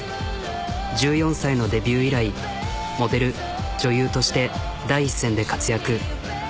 １４歳のデビュー以来モデル女優として第一線で活躍。